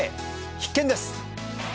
必見です！